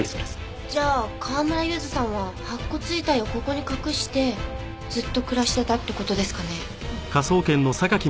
じゃあ川村ゆずさんは白骨遺体をここに隠してずっと暮らしてたって事ですかね？